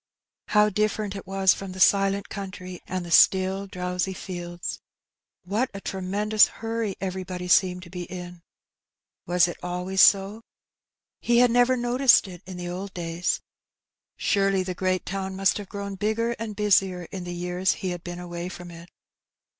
How different it was from the silent country and the still, drowsy fields !'^ What a tremendous huiTy everybody seemed to be in ! Was it always so ? He had never noticed it in the old days : surely the great town must have grown bigger and busier in the years he had been away from it.